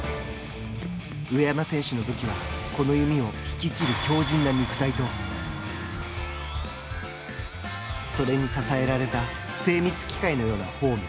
上山選手の武器は、この弓を引き切る強じんな肉体とそれに支えられた精密機械のようなフォーム。